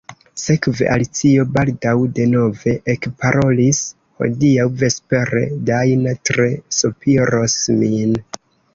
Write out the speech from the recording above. Sekve Alicio baldaŭ denove ekparolis: "Hodiaŭ vespere Dajna tre sopiros min."